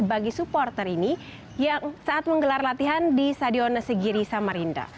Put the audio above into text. bagi supporter ini yang saat menggelar latihan di stadion segiri samarinda